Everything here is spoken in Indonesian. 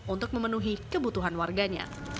untuk memenuhi kebutuhan warganya